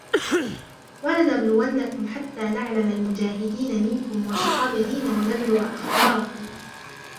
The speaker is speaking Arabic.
وَلَنَبْلُوَنَّكُمْ حَتَّى نَعْلَمَ الْمُجَاهِدِينَ مِنْكُمْ وَالصَّابِرِينَ وَنَبْلُوَ أَخْبَارَكُمْ